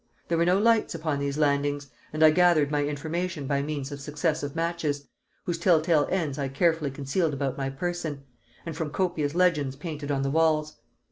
There were no lights upon these landings, and I gathered my information by means of successive matches, whose tell tale ends I carefully concealed about my person, and from copious legends painted on the walls.